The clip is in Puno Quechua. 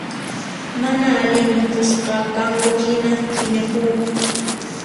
Mana allin mikhusqakanku hina phiñakunku